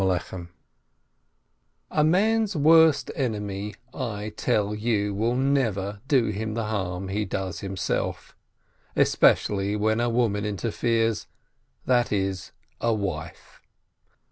GYMNASIYE A man's worst enemy, I tell you, will never do him the harm he does himself, especially when a woman interferes, that is, a wife.